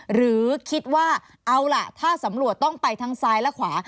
หรือคิดว่าเอาล่ะถ้าสำรวจต้องไปทั้งซ้ายและขวา